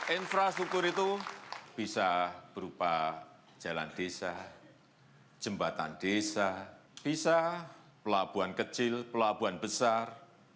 infrastruktur itu bisa berupa jalan desa jembatan desa bisa pelabuhan kecil pelabuhan besar